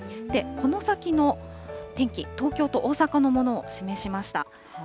この先の天気、東京と大阪のものを示しました。